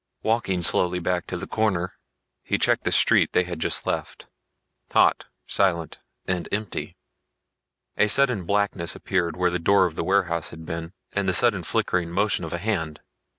Walking slowly back to the corner, he checked the street they had just left. Hot, silent and empty. A sudden blackness appeared where the door of the warehouse had been, and the sudden flickering motion of a hand.